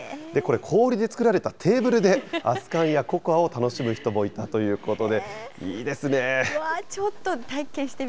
氷で作られたテーブルで熱かんやココアを楽しむ人もいたということで。